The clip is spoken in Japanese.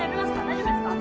大丈夫ですか？